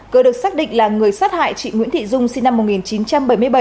cơ được xác định là người sát hại chị nguyễn thị dung sinh năm một nghìn chín trăm bảy mươi bảy